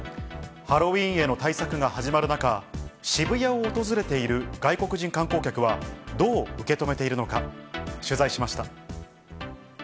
ハロウィーンへの対策が始まる中、渋谷を訪れている外国人観光客はどう受け止めているのか、取材しました。